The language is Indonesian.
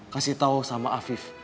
kasih tahu sama afif